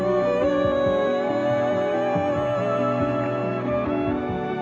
syukur aku sembahkan ke hatimu